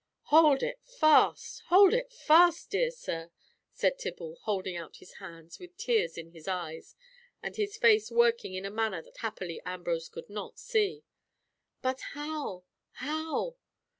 "Hold it fast! hold it fast, dear sir," said Tibble, holding out his hands with tears in his eyes, and his face working in a manner that happily Ambrose could not see. "But how—how?